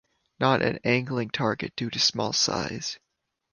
Not an angling target due to small size.